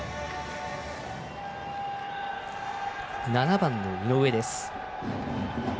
７番の井上です。